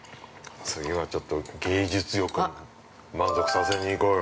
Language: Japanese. ◆次はちょっと、芸術欲満足させにいこうよ。